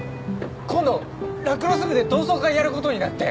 今度ラクロス部で同窓会やることになって。